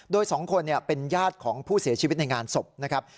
โดย๒คนเป็นญาติของผู้เสียชีวิตในงานศพนะครับ